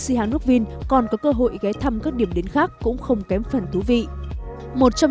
sihanoukville còn có cơ hội ghé thăm các điểm đến khác cũng không kém phần thú vị một trong